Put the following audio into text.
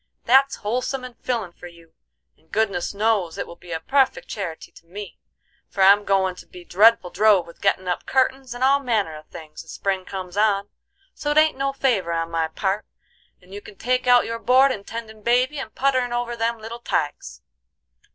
That's wholesome and fillin' for you, and goodness knows it will be a puffect charity to me, for I'm goin' to be dreadful drove with gettin' up curtins and all manner of things, as spring comes on. So it ain't no favor on my part, and you can take out your board in tendin' baby and putterin' over them little tykes."